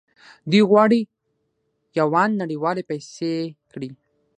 دوی غواړي یوان نړیواله پیسې کړي.